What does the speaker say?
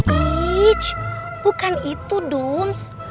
ijjj bukan itu doms